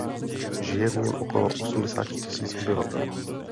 Žije v něm okolo osmdesáti tisíc obyvatel.